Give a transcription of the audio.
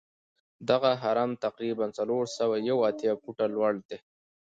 دغه هرم تقریبآ څلور سوه یو اتیا فوټه لوړ دی.